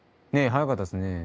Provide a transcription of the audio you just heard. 早かったですね。